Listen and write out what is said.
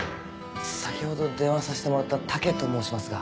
先ほど電話させてもらった武と申しますが。